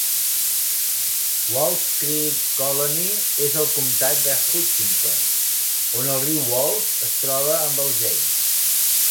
Wolf Creek Colony és al comtat de Hutchinson, on el riu Wolf es troba amb el James.